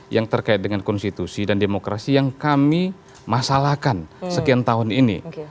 yang terkait dengan konstitusi dan demokrasi yang kami masalahkan sekian tahun ini